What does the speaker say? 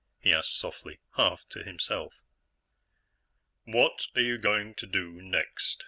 he asked softly, half to himself. "What are you going to do next?"